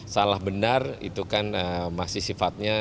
salah benar itu kan masih sifatnya